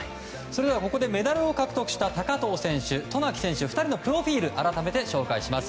メダルを獲得した高藤選手と渡名喜選手２人のプロフィールを改めて紹介します。